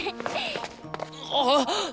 あっ！